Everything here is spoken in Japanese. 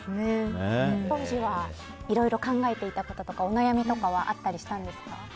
当時はいろいろ考えていたこととかお悩みとかはあったりしたんですか？